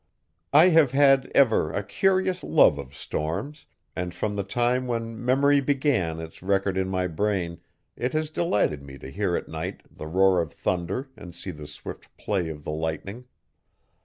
I have had, ever, a curious love of storms, and, from the time when memory began its record in my brain, it has delighted me to hear at night the roar of thunder and see the swift play of the lightning.